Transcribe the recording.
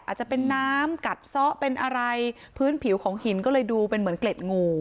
อาจจะเป็นน้ำกัดซะเป็นอะไรพื้นผิวของหินก็เลยดูเป็นเหมือนเกล็ดงู